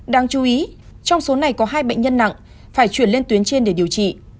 đáng chú ý trong số này có hai bệnh nhân nặng phải chuyển lên tuyến trên để điều trị